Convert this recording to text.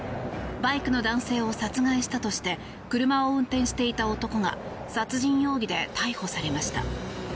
バイクの男性を殺害したとして車を運転していた男が殺人容疑で逮捕されました。